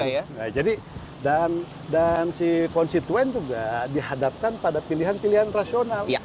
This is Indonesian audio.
nah jadi dan si konstituen juga dihadapkan pada pilihan pilihan rasional